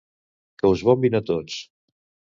Que us bombin a tots!